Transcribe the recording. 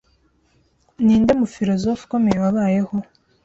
Ninde mufilozofe ukomeye wabayeho?